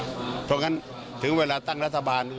เพราะฉะนั้นถึงเวลาตั้งรัฐบาล